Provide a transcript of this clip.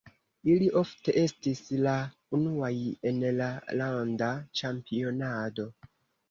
Ili ofte estis la unuaj en la landa ĉampionado.